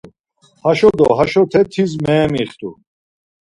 Haşo do haşope tis meemixtu.